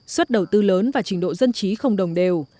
suất đầu tư lớn và trình độ dân trí không đồng đều